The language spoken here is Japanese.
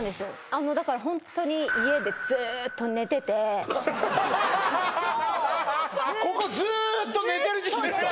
あのだからホントにそうずっとここずっと寝てる時期ですか？